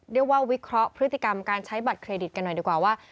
วิเคราะห์พฤติกรรมการใช้บัตรเครดิตกันหน่อยดีกว่าว่า